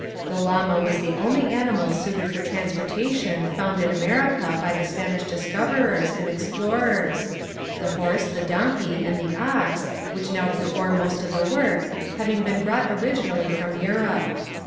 The llama was the only animal suited for transportation found in Amer ica by the Spanish discoverers and ex plorers ; the horse, the donkey, and the ox, which now perform most of the work having been brought originally from Eu rope.